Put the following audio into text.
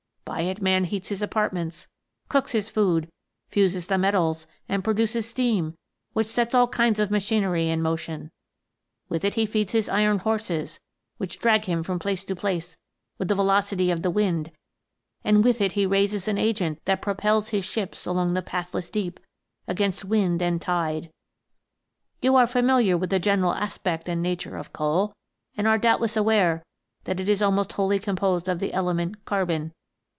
By it man heats his apart ments, cooks his food, fuses the metals, and produces steam, which sets all kinds of machinery in motion. With it he feeds his iron horses, which drag him from place to place with the velocity of the wind ; and with it he raises an agent that propels his ships along the pathless deep against wind and tide. THE GNOMES. 27 5 " You are familiar with the general aspect and nature of coal, and are doubtless aware that it is almost wholly composed of the element, carbon.